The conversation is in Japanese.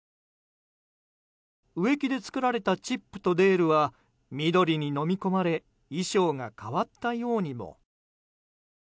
植木で作られたチップとデールは緑にのみ込まれ衣装が変わったようにも。